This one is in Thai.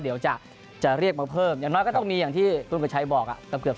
อย่างน้อยก็ต้องมีอย่างที่ทุนกระชัยบอกก็เกือบ๓๐